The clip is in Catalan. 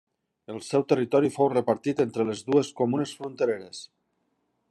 El seu territori fou repartit entre les dues comunes frontereres.